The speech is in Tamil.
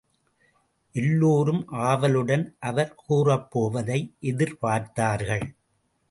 எல்லோரும் ஆவலுடன் அவர் கூறப்போவதை எதிர்பார்த்தார்கள்.